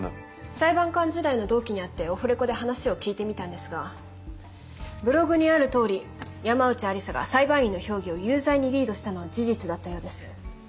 裁判官時代の同期に会ってオフレコで話を聞いてみたんですがブログにあるとおり山内愛理沙が裁判員の評議を有罪にリードしたのは事実だったようです。